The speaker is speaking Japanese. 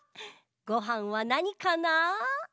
ごはんはなにかな？